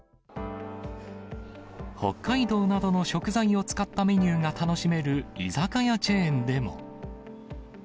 北海道などの食材を使ったメニューが楽しめる居酒屋チェーンでも。